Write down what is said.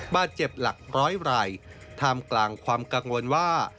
บาดเจ็บหลักร้อยรายท่ามกลางความกังวลว่า